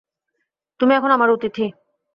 তুমি এখন আমার অতিথি।